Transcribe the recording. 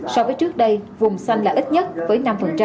so với trước đây vùng xanh là ít nhất với năm